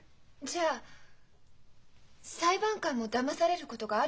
じゃあ裁判官もだまされることがあるんですか？